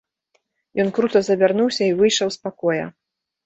Ён крута завярнуўся і выйшаў з пакоя.